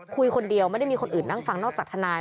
คุยคนเดียวไม่ได้มีคนอื่นนั่งฟังนอกจากทนาย